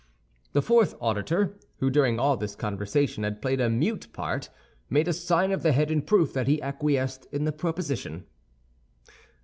The fourth auditor, who during all this conversation had played a mute part, made a sign of the head in proof that he acquiesced in the proposition.